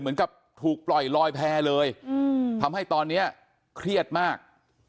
เหมือนกับถูกปล่อยลอยแพร่เลยทำให้ตอนนี้เครียดมาก